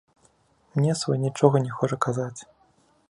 Мне свой нічога не хоча казаць.